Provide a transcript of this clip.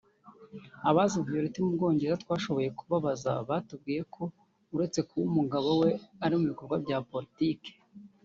Abazi Violette mu Bwongereza twashoboye kubaza batubwiye ko uretse kuba umugabo we ari mu bikorwa bya Politiki